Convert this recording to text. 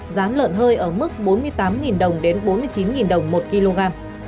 giá lợn hơi ở mức bốn mươi tám đồng đến bốn mươi chín đồng một kg